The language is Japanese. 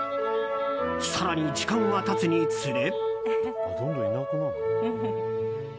更に時間が経つにつれ。